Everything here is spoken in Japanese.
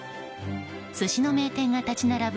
寿司の名店が立ち並ぶ